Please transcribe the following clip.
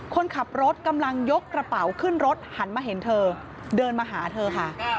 คนขับรถกำลังยกกระเป๋าขึ้นรถหันมาเห็นเธอเดินมาหาเธอค่ะ